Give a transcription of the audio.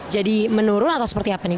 jadi menurun atau seperti apa nih